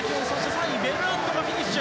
３位にベルナットがフィニッシュ。